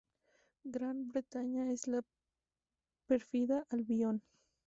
Gran Bretaña es la pérfida Albión